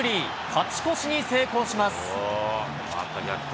勝ち越しに成功します。